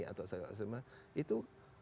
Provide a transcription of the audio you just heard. atau sebagainya itu